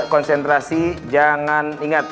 konsentrasi jangan ingat